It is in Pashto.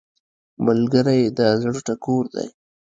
ملګری د زړه ټکور دی